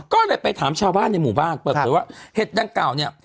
ก็เลยไปถามชาวบ้านในหมู่บ้านเปิดเผยว่าเห็ดดังกล่าวเนี่ย